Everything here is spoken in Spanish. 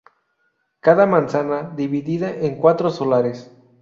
Cada manzana, dividida en cuatro solares.